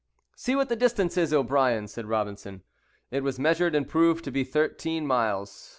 "See what the distance is, O'Brien," said Robinson. It was measured, and proved to be thirteen miles.